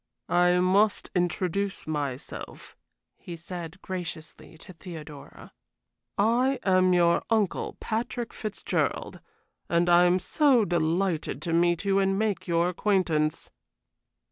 "I must introduce myself," he said, graciously, to Theodora. "I am your uncle, Patrick Fitzgerald, and I am so delighted to meet you and make your acquaintance."